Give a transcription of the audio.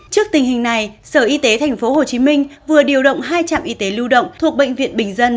trước tình hình này sở y tế tp hcm vừa điều động hai trạm y tế lưu động thuộc bệnh viện bình dân